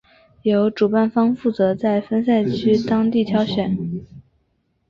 由主办方负责在分赛区当地挑选。